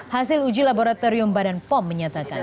hasil uji laboratorium badan pom menyatakan